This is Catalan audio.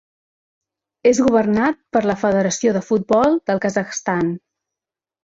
És governat per la Federació de Futbol del Kazakhstan.